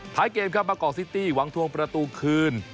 ท้ายเกมครับบากอร์สซิตี้หวังทวงประตูคืน